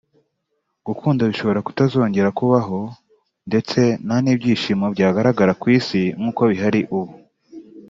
gukunda bishobora kutazongera kubaho ndetse nta n’ibyishimo byagaragara mu isi nk’uko bihari ubu